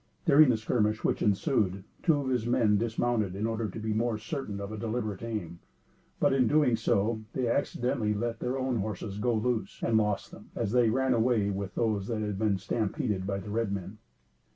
During the skirmish which ensued, two of his men dismounted, in order to be more certain of a deliberate aim, but, in so doing, they accidentally let their own horses go loose, and lost them, as they ran away with those that were being stampeded by the red men.